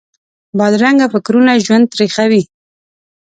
بدرنګه فکرونه ژوند تریخوي